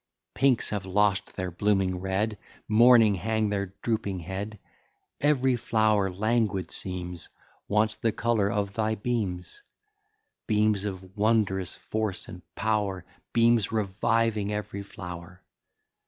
Pinks have lost their blooming red, Mourning hang their drooping head, Every flower languid seems, Wants the colour of thy beams, Beams of wondrous force and power, Beams reviving every flower.